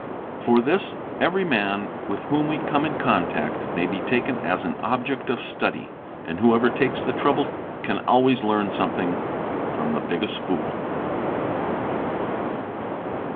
For this every man with whom we come in contact may be taken as an object of study, and whoever takes the trouble can always we learn something from the biggest fool.